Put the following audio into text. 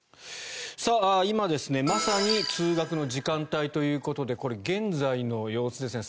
今まさに通学の時間帯ということでこれは現在の様子ですね。